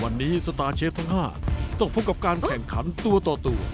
วันนี้สตาร์เชฟทั้ง๕ต้องพบกับการแข่งขันตัวต่อตัว